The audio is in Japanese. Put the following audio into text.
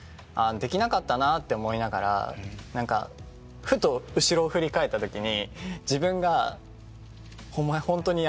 できなかったなって思いながらふと後ろを振り返ったときに自分が「お前ホントにやめちゃうのか？」